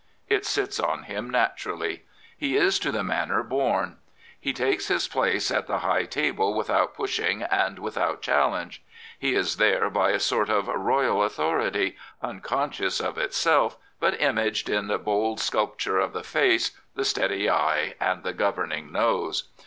It sits on him naturally. He is to the manner born. He takes his place at the high table without pushing and without challenge. He is there by a sort of royal authority, unconscious of itself, but imaged in the bold sculpture of the face, the steady eye, and the governing nose.